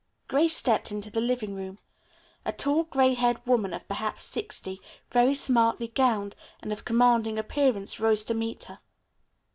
Grace stepped into the living room. A tall, gray haired woman of perhaps sixty, very smartly gowned, and of commanding appearance, rose to meet her.